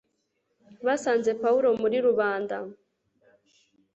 basanze pawulo muri rubanda